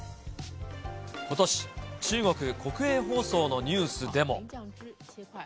ことし、中国国営放送のニュースでも。